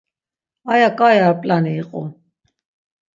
Aya ǩai ar p̌lani iqu.